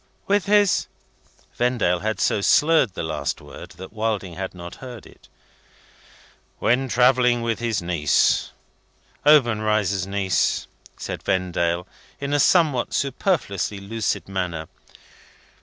'" "With his ?" Vendale had so slurred the last word, that Wilding had not heard it. "When travelling with his Niece. Obenreizer's Niece," said Vendale, in a somewhat superfluously lucid manner.